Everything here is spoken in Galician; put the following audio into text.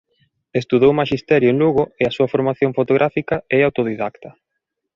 Estudou Maxisterio en Lugo e a súa formación fotográfica é autodidacta.